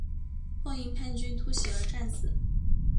后因叛军袭击而战死。